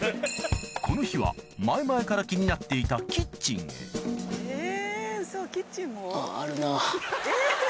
この日は前々から気になっていたえぇウソキッチンも？